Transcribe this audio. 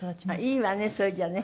いいわねそれじゃあね。